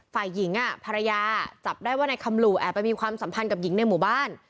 ฝ่ายหญิงภรรยาจับได้ว่านายคำหลู่แอบไปมีความสัมพันธ์กับหญิงในหมู่บ้าน